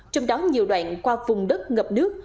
trong đó nhiều đoạn qua vùng đất ngập nước